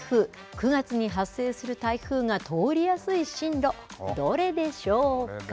９月に発生する台風が通りやすい進路、どれでしょうか。